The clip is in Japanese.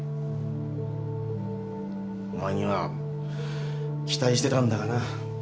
お前には期待してたんだがな。